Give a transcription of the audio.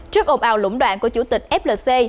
trước ụp ảo lũng đoạn của chủ tịch flc